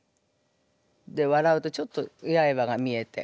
笑うとちょっとやえばが見えて。